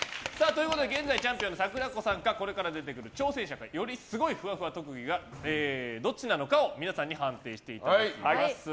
現在チャンピオンのさくらこさんかこれから出てくる挑戦者かよりすごいふわふわ特技がどっちなのか皆さんに判定していただきます。